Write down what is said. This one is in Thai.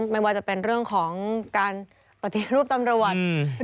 ไม่ว่าจะเป็นเรื่องของการปฏิรูปตำรวจ